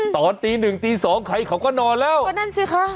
ตอนตี๑ตี๒ใครเขาก็นอนแล้วแกนั่นสิค่ะ